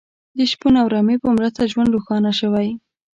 د شپون او رمې په مرسته ژوند روښانه شوی.